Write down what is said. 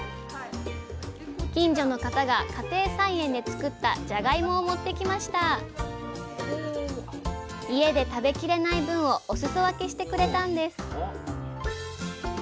近所の方が家庭菜園で作ったじゃがいもを持って来ました。家で食べきれない分をおすそわけしてくれたんです